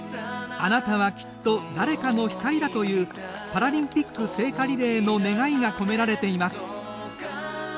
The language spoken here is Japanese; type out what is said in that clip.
「あなたは、きっと、誰かの光だ。」というパラリンピック聖火リレーの願いが込められています。